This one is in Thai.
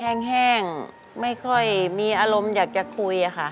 แห้งเห้นก็ไม่ค่อยมีอารมณ์อยากจะคุยนะค่ะ